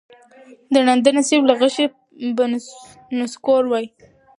د ړانده نصیب له غشي به نسکور وای